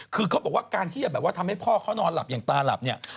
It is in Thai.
คือเขาบอกว่าการที่จะแบบว่าทำให้พ่อเขานอนหลับอย่างตาหลับเนี่ย